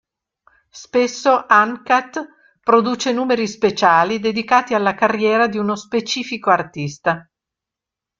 Spesso "Uncut" produce numeri speciali dedicati alla carriera di uno specifico artista.